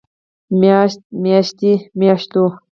مياشت، مياشتې، مياشتو